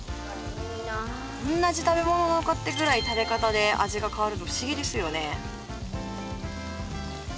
同じ食べ物なのかってぐらい食べ方で味が変わるの不思議ですよね。